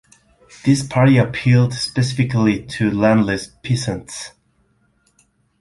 This party appealed specifically to landless peasants.